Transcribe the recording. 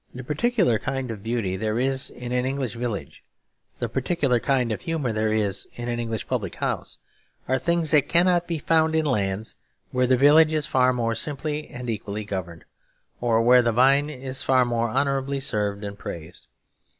The particular kind of beauty there is in an English village, the particular kind of humour there is in an English public house, are things that cannot be found in lands where the village is far more simply and equally governed, or where the vine is far more honourably served and praised.